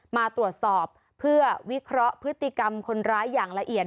มาตรวจสอบเพื่อวิเคราะห์พฤติกรรมคนร้ายอย่างละเอียด